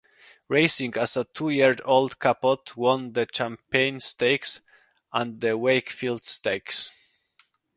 Racing as a two-year-old, Capot won the Champagne Stakes and the Wakefield Stakes.